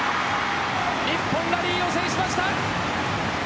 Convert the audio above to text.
日本、ラリーを制しました。